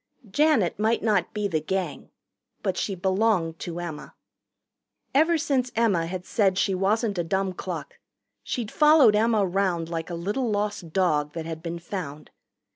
Janet might not be the Gang. But she belonged to Emma. Ever since Emma had said she wasn't a dumb cluck she'd followed Emma round like a little lost dog that had been found.